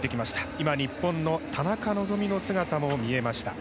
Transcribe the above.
今、日本の田中希実の姿も見えました。